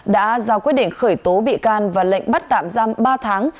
đã ra quyết định khởi tố bị can và lệnh bắt tạm giam ba tháng